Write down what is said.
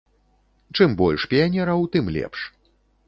Чым больш піянераў, тым лепш.